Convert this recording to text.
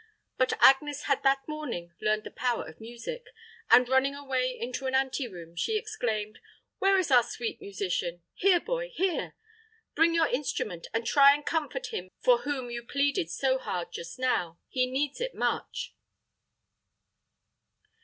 But Agnes had that morning learned the power of music, and, running away into an ante room, she exclaimed, "Where is our sweet musician? Here, boy here! Bring your instrument, and try and comfort him for whom you pleaded so hard just now. He needs it much."